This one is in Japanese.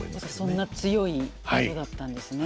そんな強い人だったんですね。